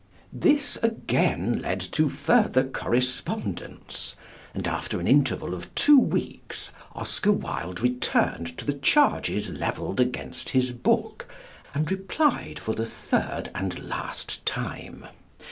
_This again led to further correspondence, and after an interval of two weeks Oscar Wilde returned to the charges levelled against his book and replied for the third and last time.